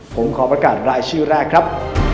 ผมขอประกาศรายชื่อแรกครับ